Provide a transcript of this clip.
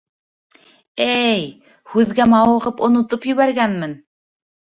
Эй, һүҙгә мауығып онотоп ебәргәнмен.